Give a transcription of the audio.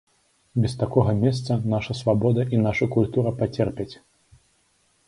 Без такога месца наша свабода і наша культура пацерпяць.